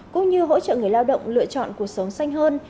cũng như hỗ trợ người lao động lựa chọn cuộc sống xanh hơn